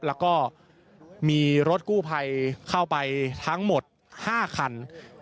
แล้วก็มีรถกู้ภัยเข้าไปทั้งหมด๕คัน